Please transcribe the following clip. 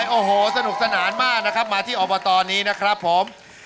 โอ้โหสนุกสนานมากนะครับมาที่อบตนี้นะครับผม